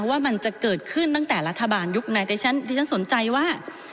ว่ามันจะเกิดขึ้นตั้งแต่รัฐบาลยุคไหนแต่ฉันที่ฉันสนใจว่า